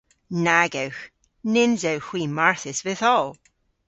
Nag ewgh. Nyns ewgh hwi marthys vytholl.